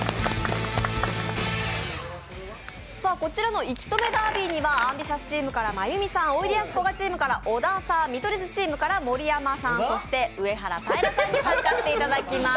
こちらの息止めダービーにはＡｍＢｉｔｉｏｕｓチームから真弓さん、おいでやすこがチームから小田さん、見取り図チームから盛山さん、そして上はらたいらさんに参加していただきます。